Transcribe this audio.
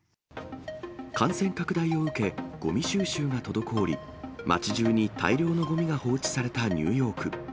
感染拡大を受け、ごみ収集が滞り、街中に大量のごみが放置されたニューヨーク。